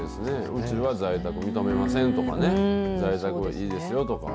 うちは在宅認めませんとかね、在宅でいいですよとか。